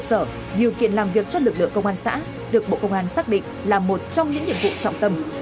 nhiều kiện làm việc cho lực lượng công an xã được bộ công an xác định là một trong những nhiệm vụ trọng tâm